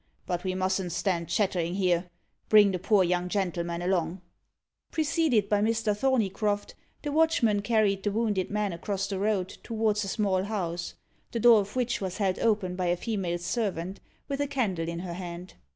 But we mustn't stand chatterin' here. Bring the poor young gentleman along." Preceded by Mr. Thorneycroft, the watchmen carried the wounded man across the road towards a small house, the door of which was held open by a female servant, with a candle in her hand.